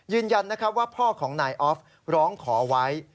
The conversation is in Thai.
ยืนยันนะครับว่าพ่อของนายออฟร้องขอไว้